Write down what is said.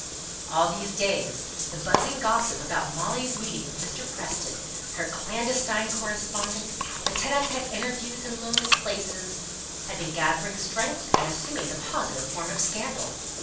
All these days the buzzing gossip about Molly's meetings with Mr. Preston, her clandestine correspondence, the secret interviews in lonely places, had been gathering strength, and assuming the positive form of scandal.